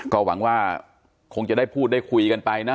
ก็หวังว่าคงจะได้พูดได้คุยกันไปนะ